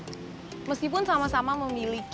kedua kamera ini memang memiliki keuntungan yang sangat menarik